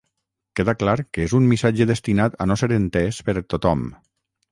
Queda clar que és un missatge destinat a no ser entès per tothom.